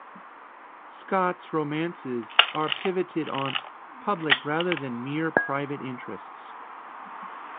Scott's romances are pivoted on public rather than mere private interests.